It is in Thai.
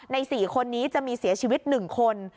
ใน๔คนนี้จะมีเสียชีวิต๑คน